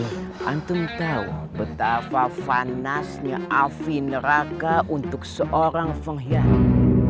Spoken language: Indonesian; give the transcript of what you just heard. hantum tau betapa panasnya api neraka untuk seorang pengkhianat